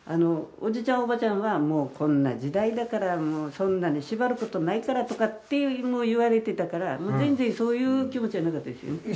おじいちゃんおばあちゃんはもうこんな時代だからそんなに縛ることないからとかって言われてたから全然そういう気持ちはなかったですよね。